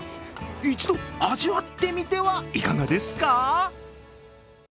一度、味わってみてはいかがですか？